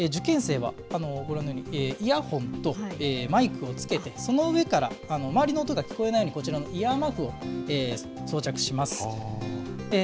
こちら、今回のテストの様子なんですけれども、受験生はご覧のように、イヤホンとマイクをつけて、その上から、周りの音が聞こえないように、こちらのイヤーマフを装着します。